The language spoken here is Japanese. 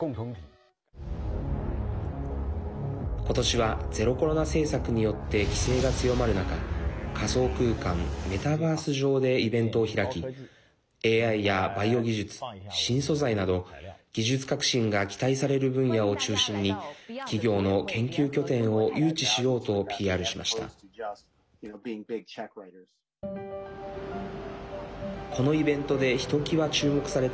今年はゼロコロナ政策によって規制が強まる中仮想空間メタバース上でイベントを開きＡＩやバイオ技術、新素材など技術革新が期待される分野を中心に企業の研究拠点を誘致しようとＰＲしました。